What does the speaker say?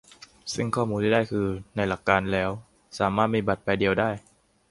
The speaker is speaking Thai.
ซึ่งข้อมูลที่ได้คือในหลักการแล้วสามารถมีบัตรใบเดียวได้